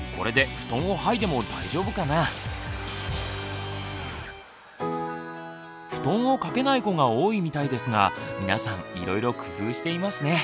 布団を掛けない子が多いみたいですが皆さんいろいろ工夫していますね。